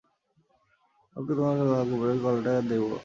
ওকে তোমার সেই লালপেড়ে কলের কাপড়টা দেব।